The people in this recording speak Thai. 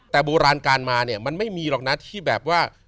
แต่โบราณการมาเนี่ยมันไม่มีหรอกนะที่แบบว่า